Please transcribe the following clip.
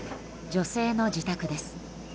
女性の自宅です。